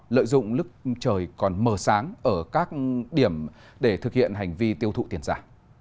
lợi dụng lức trời còn mờ sáng ở các điểm để thực hiện hành vi tiêu thụ tiền giả